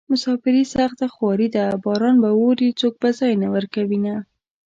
مساپري سخته خواري ده باران به اوري څوک به ځای نه ورکوينه